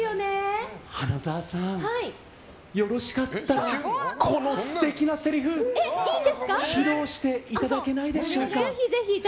花澤さん、よろしかったらこの素敵なせりふ披露していただけないでしょうか。